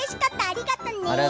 ありがとうね！